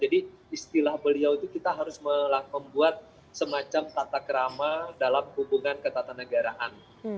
jadi istilah beliau itu kita harus membuat semacam tata kerama dalam hubungan ketatanegaraan